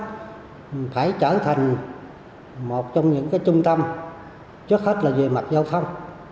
cần thơ sẽ trở thành một trong những trung tâm trước hết là về mặt giao thông